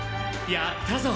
やったぞ！